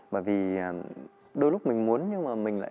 bởi vì đôi lúc mình muốn nhưng mà